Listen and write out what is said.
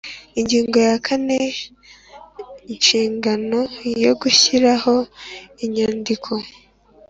Ingingo ya kane Inshingano yo gushyiraho inyandiko